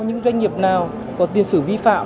những doanh nghiệp nào có tiền sử vi phạm